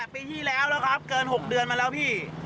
ปีที่แล้วแล้วครับเกิน๖เดือนมาแล้วพี่